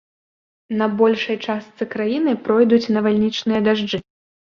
На большай частцы краіны пройдуць навальнічныя дажджы.